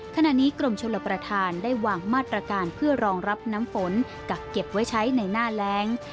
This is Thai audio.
ขณะนี้กรมชลประธานได้วางมาตรการเพื่อรองรับน้ำฝนกักเก็บไว้ใช้ในหน้าแรง